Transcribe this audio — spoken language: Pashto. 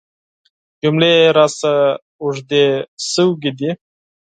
جملې راڅخه اوږدې شوي دي .